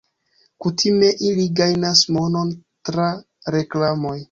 Kutime ili gajnas monon tra reklamoj.